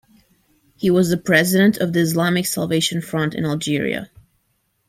He was the President of the Islamic Salvation Front in Algeria.